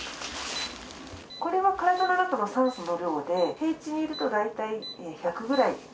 これは体の中の酸素の量で平地にいると、大体１００ぐらい。